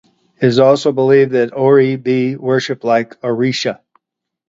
It is also believed that Ori be worshiped like Orisha.